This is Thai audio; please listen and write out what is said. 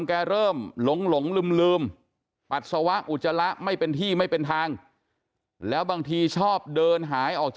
แข็งแข็งแข็งแข็งแข็งแข็งแข็งแข็งแข็งแข็งแข็งแข็ง